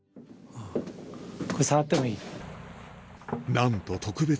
これ触ってもいい？